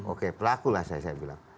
oke pelaku lah saya bilang